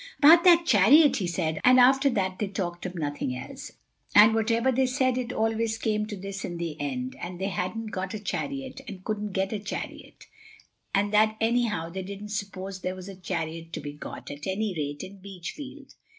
"About that chariot," he said, and after that they talked of nothing else. And whatever they said it always came to this in the end, that they hadn't got a chariot, and couldn't get a chariot, and that anyhow they didn't suppose there was a chariot to be got, at any rate in Beachfield.